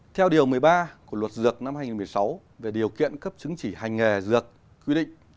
theo điều một mươi ba của luật dược năm hai nghìn một mươi sáu về điều kiện cấp chứng chỉ hành nghề dược quy định